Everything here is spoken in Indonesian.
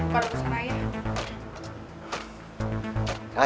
bukan dari sana ya